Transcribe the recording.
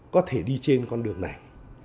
có thể đi trên con đường này